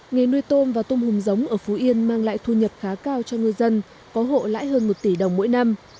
nghề nuôi tôm và tôm hùm giống ở phú yên mang lại thu nhập khá cao cho ngư dân có hộ lãi hơn một tỷ đồng mỗi năm